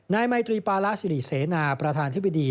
นายไมตรีปาระสิริเสนาประธานธิบดี